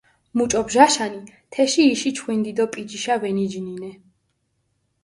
მუჭო ბჟაშანი, თეში იში ჩხვინდი დო პიჯიშა ვენიჯინინე.